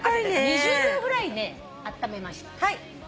２０秒ぐらいねあっためました。